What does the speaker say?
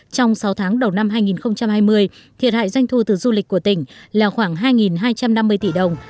trong sáu tháng đầu năm hai nghìn hai mươi thiệt hại doanh thu từ du lịch của tỉnh là khoảng hai hai trăm năm mươi tỷ đồng